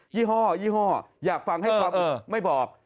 ี่ห้อยี่ห้ออยากฟังให้ความไม่บอก